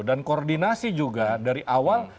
dan koordinasi juga dari awal